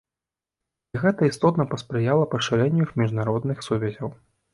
І гэта істотна паспрыяла пашырэнню іх міжнародных сувязяў.